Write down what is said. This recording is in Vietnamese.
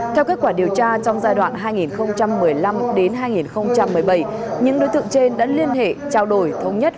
theo kết quả điều tra trong giai đoạn hai nghìn một mươi năm hai nghìn một mươi bảy những đối tượng trên đã liên hệ trao đổi thống nhất